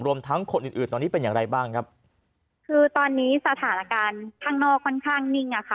ทั้งคนอื่นอื่นตอนนี้เป็นอย่างไรบ้างครับคือตอนนี้สถานการณ์ข้างนอกค่อนข้างนิ่งอ่ะค่ะ